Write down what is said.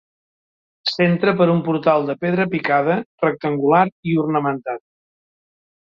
S'entra per un portal de pedra picada, rectangular i ornamentat.